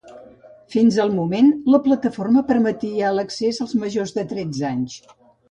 Fins al moment la plataforma permetia l’accés als majors de tretze anys.